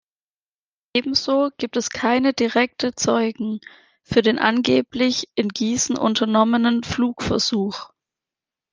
Ebenso gibt es keine direkte Zeugen für den angeblich in Gießen unternommenen Flugversuch.